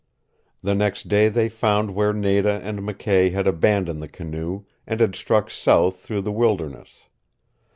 The next day they found where Nada and McKay had abandoned the canoe, and had struck south through the wilderness.